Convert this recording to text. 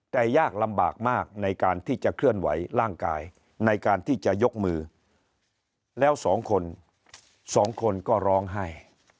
แต่ยากลำบากมากในการที่จะเคลื่อนไหวร่างกายในการที่จะยกมือแล้วสองคนสองคนก็ร้องไห้